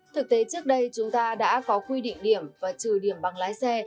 thực tế trước đây chúng ta đã có quy định điểm và trừ điểm bằng lái xe